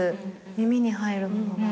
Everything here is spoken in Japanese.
耳に入るものは。